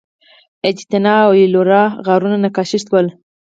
اجنتا او ایلورا غارونه نقاشي شول.